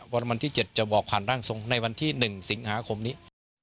วันที่๗จะบอกผ่านร่างทรงในวันที่๑สิงหาคมนี้